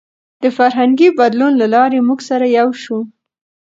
د فرهنګي بدلون له لارې موږ سره یو شو.